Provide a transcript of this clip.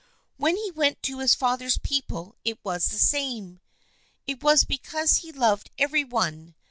When he went to his father's people it was the same. It was because he loved every one.